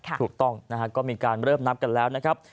ค่ะถูกต้องนะครับก็มีการเลิบนับกันแล้วนะครับ